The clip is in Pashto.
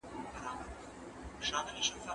ایا د روغتون ټول ناروغان به ژر تر ژره جوړ شي؟